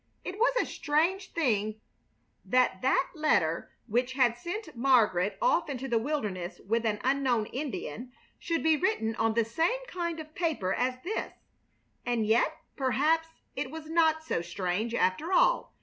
It was a strange thing that that letter which had sent Margaret off into the wilderness with an unknown Indian should be written on the same kind of paper as this; and yet, perhaps, it was not so strange, after all.